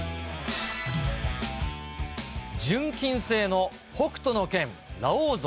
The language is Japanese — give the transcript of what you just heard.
純金製の北斗の拳ラオウ像。